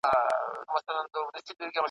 شپې په تمه د سهار یو ګوندي راسي ,